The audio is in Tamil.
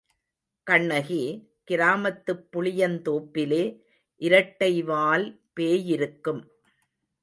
கண்ணகி, கிராமத்துப் புளியந்தோப்பிலே இரட்டைவால் பேயிருக்கும்.